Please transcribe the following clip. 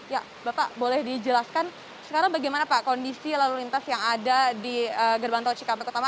ya bapak boleh dijelaskan sekarang bagaimana pak kondisi lalu lintas yang ada di gerbang tol cikampek utama